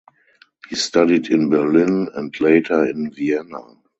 He studied in Berlin, and later in Vienna.